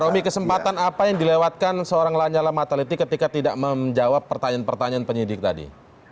romi kesempatan apa yang dilewatkan seorang lanyala mataliti ketika tidak menjawab pertanyaan pertanyaan penyidik tadi